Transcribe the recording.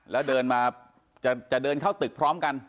แล้วเดินมาจะเดินเข้าตึกพร้อมกัน